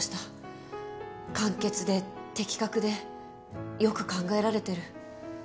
簡潔で的確でよく考えられてる。